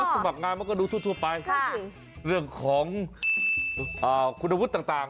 สมัครงานมันก็ดูทั่วไปเรื่องของคุณวุฒิต่าง